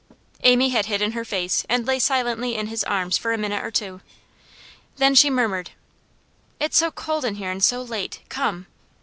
Amy had hidden her face, and lay silently in his arms for a minute or two. Then she murmured: 'It is so cold here, and so late. Come!